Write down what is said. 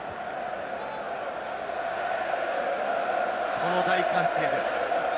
この大歓声です。